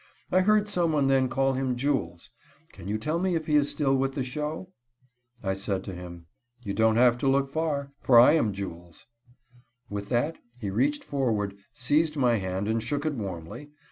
I heard someone then call him 'Jules.' Can you tell me if he is still with the show?" I said to him: "You don't have to look far, for I am Jules." With that he reached forward, seized my hand and shook it warmly.